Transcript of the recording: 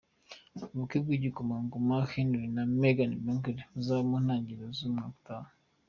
Ubukwe bw’igikomangoma Harry na Meghan Markle, buzaba mu ntangiriro z’umwaka utaha.